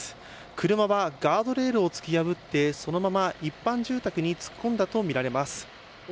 車はガードレールを突き破ってそのまま一般住宅に突っ込んだとみられます。